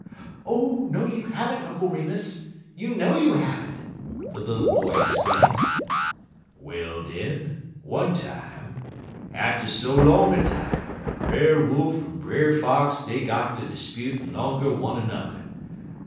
"Oh, no, you have n't, Uncle Remus! You know you have n't!" the little boy exclaimed. "Well, den, one day, atter so long a time, Brer Wolf en Brer Fox dey got ter 'sputin' 'longer one er n'er.